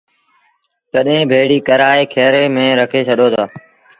تڏهيݩ ڀيڙي ڪرآئي کري ميݩ رکي ڇڏي دو